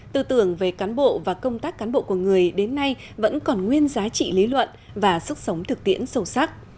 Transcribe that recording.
tư tưởng về cán bộ và công tác cán bộ của người đến nay vẫn còn nguyên giá trị lý luận và sức sống thực tiễn sâu sắc